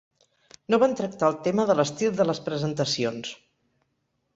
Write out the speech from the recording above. No van tractar el tema de l'estil de les presentacions.